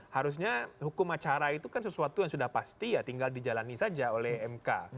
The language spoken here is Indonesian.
harusnya hukum acara itu kan sesuatu yang sudah pasti ya tinggal dijalani saja oleh mk